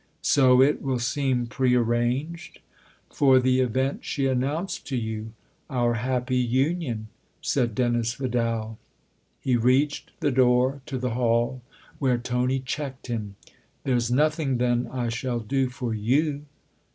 " So it will seem pre arranged ?"" For the event she announced to you. Our happy union !" said Dennis Vidal. He reached the door to the hall, where Tony checked him. " There's nothing, then, I shall do for you